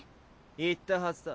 言ったはずだ